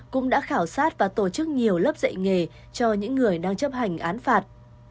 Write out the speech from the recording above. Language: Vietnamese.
cũng đã khảo sát và tổ chức nhiều lớp dạy nghề cho những người đang chấp hành án phạt